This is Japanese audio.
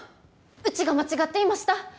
うちが間違っていました。